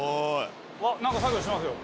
何か作業してますよ。